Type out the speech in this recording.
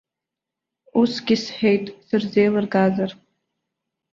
Усгьы сҳәеит, сырзеилыргазар.